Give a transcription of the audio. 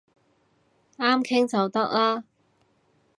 啱傾就得啦